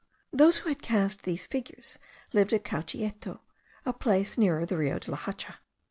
Those who had cast these figures lived at Cauchieto, a place nearer the Rio de la Hacha.